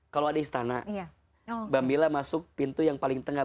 kalau ada istana bambila masuk pintu yang paling tengah